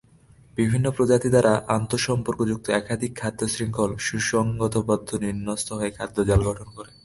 বিভিন্ন প্রজাতি দ্বারা আন্তঃসম্পর্কযুক্ত একাধিক খাদ্যশৃঙ্খল সুসংবদ্ধভাবে বিন্যস্ত হয়ে খাদ্যজাল গঠন করে।